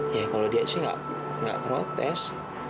ya kalau dia sih nggak protes